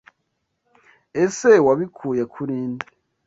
Ese wabikuye kuri nde?